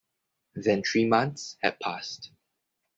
Then three months had passed.